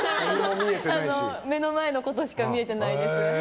目の前のことしか見えてないです。